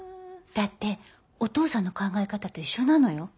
だってお父さんの考え方と一緒なのよ。